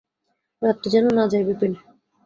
রাত্রি যেন না যায়– বিপিন।